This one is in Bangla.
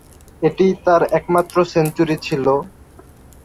এটিই তার একমাত্র সেঞ্চুরি ছিল।